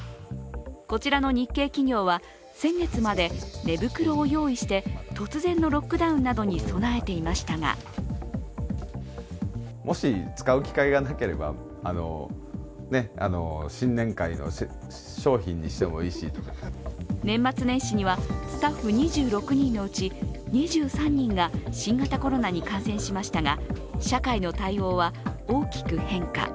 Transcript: こちらの日系企業は先月まで寝袋を用意して、突然のロックダウンなどに備えていましたが年末年始にはスタッフ２６人のうち２３人が新型コロナに感染しましたが、社会の対応は、大きく変化。